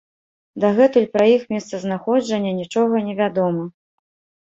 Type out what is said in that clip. Дагэтуль пра іх месцазнаходжанне нічога не вядома.